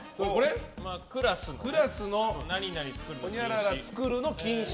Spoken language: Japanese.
クラスの何々作るの禁止。